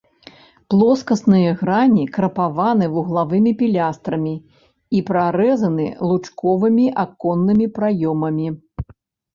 Плоскасныя грані крапаваны вуглавымі пілястрамі і прарэзаны лучковымі аконнымі праёмамі.